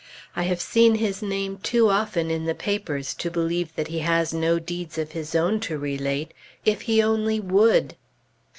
I have seen his name too often in the papers, to believe that he has no deeds of his own to relate, if he only would.